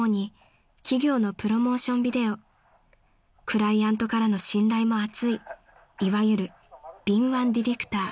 ［クライアントからの信頼も厚いいわゆる敏腕ディレクター］